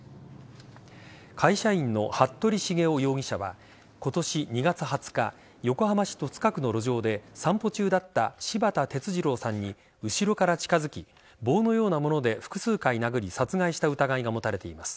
会社員の服部繁雄容疑者は今年２月２０日横浜市戸塚区の路上で散歩中だった柴田哲二郎さんに後ろから近づき棒のようなもので複数回殴り殺害した疑いが持たれています。